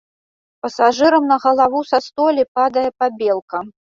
Пасажырам на галаву са столі падае пабелка.